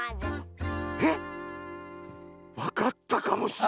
えっ⁉わかったかもしれん。